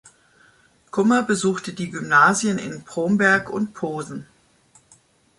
Kummer besuchte die Gymnasien in Bromberg und Posen.